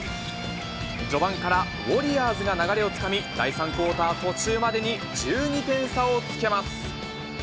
序盤からウォリアーズが流れをつかみ、第３クオーター途中までに１２点差をつけます。